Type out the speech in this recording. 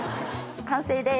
完成です。